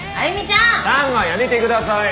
「ちゃん」はやめてください。